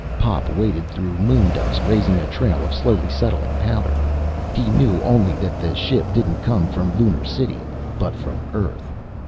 Pop waded through moondust, raising a trail of slowly settling powder. He knew only that the ship didn't come from Lunar City, but from Earth.